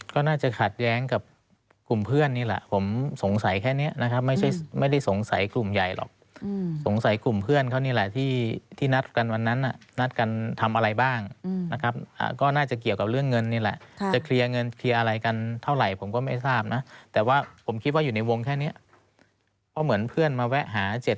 ก็น่าจะขัดแย้งกับกลุ่มเพื่อนนี่แหละผมสงสัยแค่นี้นะครับไม่ใช่ไม่ได้สงสัยกลุ่มใหญ่หรอกสงสัยกลุ่มเพื่อนเขานี่แหละที่นัดกันวันนั้นนัดกันทำอะไรบ้างนะครับก็น่าจะเกี่ยวกับเรื่องเงินนี่แหละจะเคลียร์เงินเคลียร์อะไรกันเท่าไหร่ผมก็ไม่ทราบนะแต่ว่าผมคิดว่าอยู่ในวงแค่นี้เพราะเหมือนเพื่อนมาแวะหา